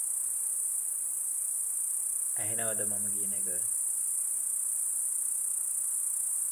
The yard side of the building is also plastered and painted yellow.